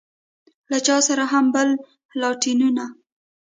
له چا سره هم بل لاټينونه.